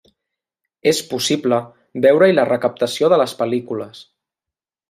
És possible veure-hi la recaptació de les pel·lícules.